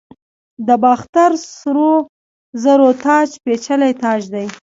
د باختر سرو زرو تاج پیچلی تاج دی